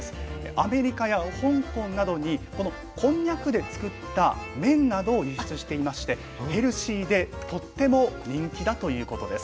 アメリカや香港などにこのこんにゃくで作った麺などを輸出していましてヘルシーでとっても人気だということです。